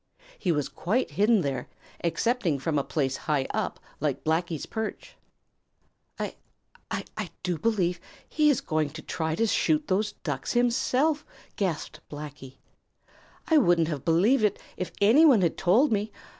He was quite hidden there, excepting from a place high up like Blacky's perch. "I I I do believe he is going to try to shoot those Ducks himself," gasped Blacky. "I wouldn't have believed it if any one had told me.